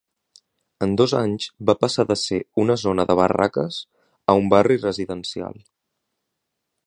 En dos anys va passar de ser una zona de barraques a un barri residencial.